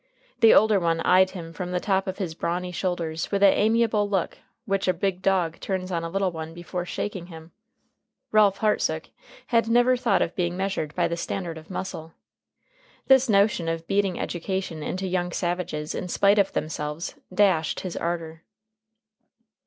The older one eyed him from the top of his brawny shoulders with that amiable look which a big dog turns on a little one before shaking him. Ralph Hartsook had never thought of being measured by the standard of muscle. This notion of beating education into young savages in spite of themselves dashed his ardor.